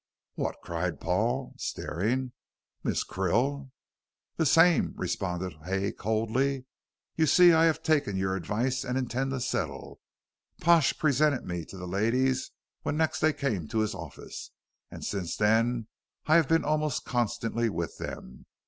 "What," cried Paul, staring, "Miss Krill?" "The same," responded Hay, coldly. "You see I have taken your advice and intend to settle. Pash presented me to the ladies when next they came to his office, and since then I have been almost constantly with them.